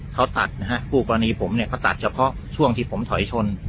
เขาตัดนะฮะคู่กรณีผมเนี่ยเขาตัดเฉพาะช่วงที่ผมถอยชน